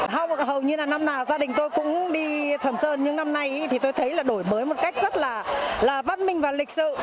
hầu như là năm nào gia đình tôi cũng đi thầm sơn những năm nay thì tôi thấy là đổi mới một cách rất là văn minh và lịch sự